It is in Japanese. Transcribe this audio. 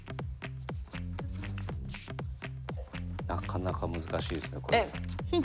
なかなか難しいですねこれ。えっ？